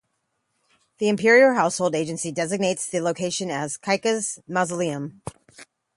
The Imperial Household Agency designates this location as Kaika's mausoleum.